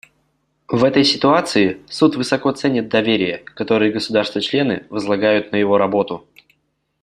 В этой ситуации Суд высоко ценит доверие, которое государства-члены возлагают на его работу.